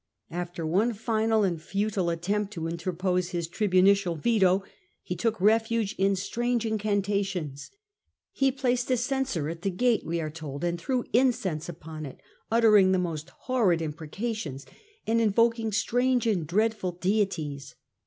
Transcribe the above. After one final and futile attempt to interpose his tribunicial veto, he took refuge in strange incantations. " He placed a censer at the gate," we are told, and threw incense upon it, uttering the most horrid imprecations and invoking strange and dreadful deities.